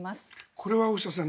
これは大下さん